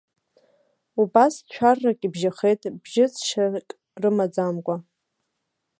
Убас ҭшәаррак ибжьахеит, бжьыҵшьак рымаӡамкәа.